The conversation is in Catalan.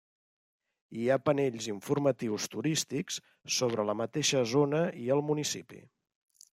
Hi ha panells informatius turístics sobre la mateixa zona i el municipi.